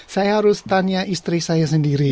saya harus tanya istri saya sendiri